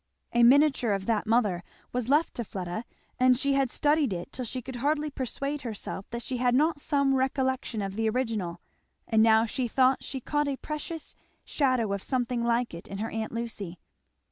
A miniature of that mother was left to Fleda, and she had studied it till she could hardly persuade herself that she had not some recollection of the original; and now she thought she caught a precious shadow of something like it in her aunt Lucy.